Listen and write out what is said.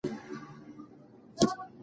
زه غواړم چې په ژوند کې یو مثبت بدلون راولم.